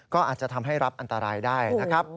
ก็อาจจะทำให้รับอันตรายได้นะครับ